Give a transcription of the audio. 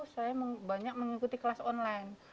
saya banyak mengikuti kelas online